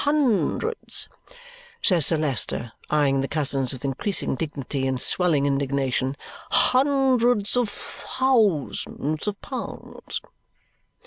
Hundreds," says Sir Leicester, eyeing the cousins with increasing dignity and swelling indignation, "hundreds of thousands of pounds!"